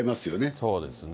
そうですね。